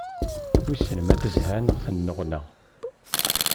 Wissen ma tezha, neɣ tennuɣna.